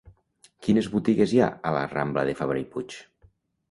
Quines botigues hi ha a la rambla de Fabra i Puig?